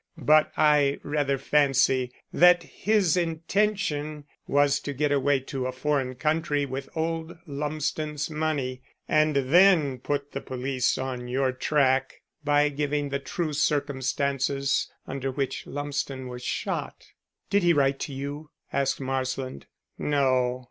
But I rather fancy that his intention was to get away to a foreign country with old Lumsden's money, and then put the police on your track by giving the true circumstances under which Lumsden was shot." "Did he write to you?" asked Marsland. "No."